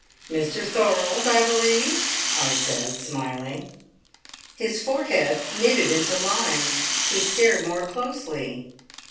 "Mr Thorold, I believe?" I said smiling. His forehead knitted into lines; he stared more closely.